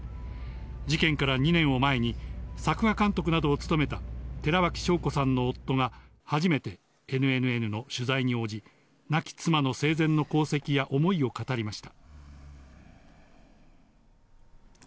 事件から２年を前に作画監督などを務めた寺脇晶子さんの夫が初めてＮＮＮの取材に応じ、亡き妻の生前の功績や思いを語りました。